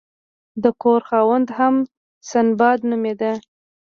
د کور خاوند هم سنباد نومیده.